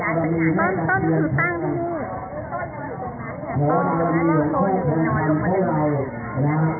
อ่ะเอ้าเอาอาการเอออ่านเปิดเอ่อสมัยเด็กเราสังเกตสึงว่าต้นตัดเกียรที่เห็น